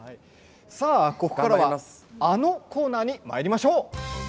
ここからはあのコーナーにまいりましょう。